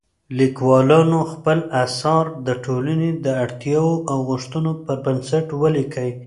ليکوالانو خپل اثار د ټولني د اړتياوو او غوښتنو پر بنسټ وليکئ.